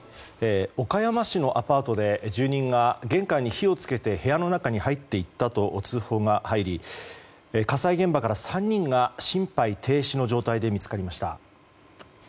岡山市のアパートで住人が玄関に火を付けて部屋の中に入っていったと通報が入り、火災現場から３人が心肺停止の状態で見つかりました。